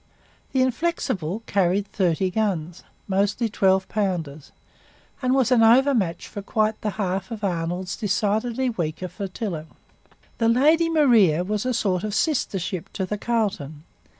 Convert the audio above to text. The Inflexible carried thirty guns, mostly 12 pounders, and was an overmatch for quite the half of Arnold's decidedly weaker flotilla. The Lady Maria was a sort of sister ship to the Carleton.